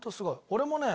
俺もね